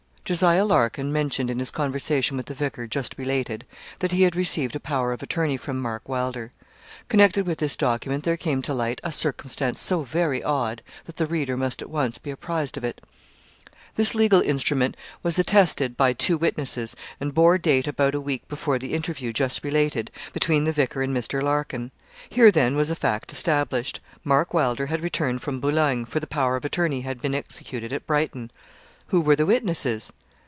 Jos. Larkin mentioned in his conversation with the vicar, just related, that he had received a power of attorney from Mark Wylder. Connected with this document there came to light a circumstance so very odd, that the reader must at once be apprised of it. This legal instrument was attested by two witnesses, and bore date about a week before the interview, just related, between the vicar and Mr. Larkin. Here, then, was a fact established. Mark Wylder had returned from Boulogne, for the power of attorney had been executed at Brighton. Who were the witnesses?